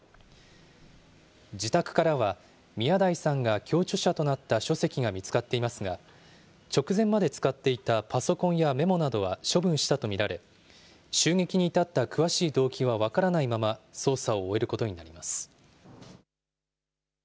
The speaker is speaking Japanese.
自宅からは、宮台さんが共著者となった書籍が見つかっていますが、直前まで使っていたパソコンやメモなどは処分したと見られ、襲撃に至った詳しい動機は分からないまま、捜査を終えることになります。